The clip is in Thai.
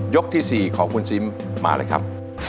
ที่๔ของคุณซิมมาเลยครับ